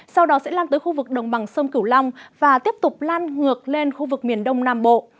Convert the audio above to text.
sau đó sẽ lan tới khu vực đồng bằng sông cửu long và tiếp tục lan ngược lên khu vực miền đông nam bộ